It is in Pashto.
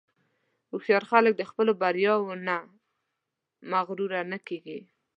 هوښیار خلک د خپلو بریاوو نه مغرور نه کېږي.